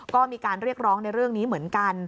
ก็มีการเรียกร้องในเรื่องนี้เหมือนกัน